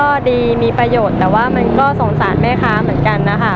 ก็ดีมีประโยชน์แต่ว่ามันก็สงสารแม่ค้าเหมือนกันนะคะ